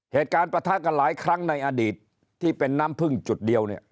เหตุการณ์ประทักษ์กันหลายครั้งในอดีตที่เป็นน้ำพึ่งจุดเดียวเนี่ย